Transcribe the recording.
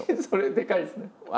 それでかいですね。